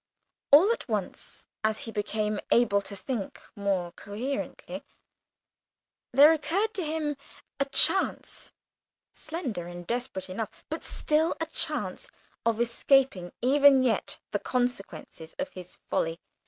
All at once, as he became able to think more coherently, there occurred to him a chance, slender and desperate enough, but still a chance, of escaping even yet the consequences of his folly.